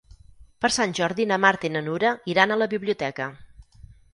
Per Sant Jordi na Marta i na Nura iran a la biblioteca.